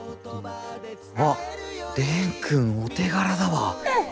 あ、蓮君お手柄だわ。